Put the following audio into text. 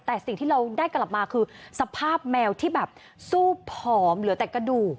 แต่สิ่งที่เราได้กลับมาคือสภาพแมวที่แบบสู้ผอมเหลือแต่กระดูก